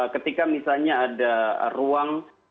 ketika misalnya ada ruang